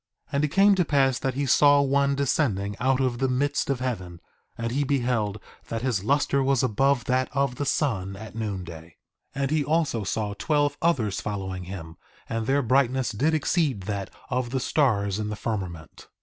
1:9 And it came to pass that he saw One descending out of the midst of heaven, and he beheld that his luster was above that of the sun at noon day. 1:10 And he also saw twelve others following him, and their brightness did exceed that of the stars in the firmament.